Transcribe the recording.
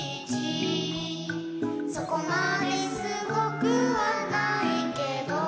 「そこまですごくはないけど」